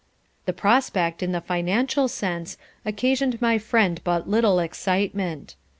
The prospect, in the financial sense, occasioned my friend but little excitement.